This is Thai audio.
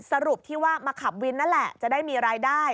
สรุปที่ว่ามาขับวินนั่นแหละจะได้มีรายได้